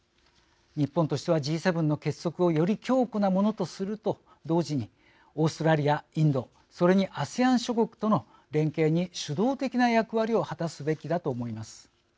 日本としてはＧ７の結束をより強固なものとすると同時にオーストラリア、インドそれにＡＳＥＡＮ諸国との連携に主導的な役割を果たすべきだと思います。